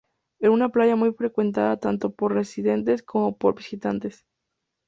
Es una playa muy frecuentada tanto por residentes como por visitantes.